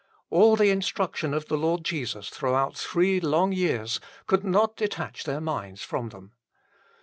All the instruction of the Lord Jesus throughout three long years could not detach their minds from them.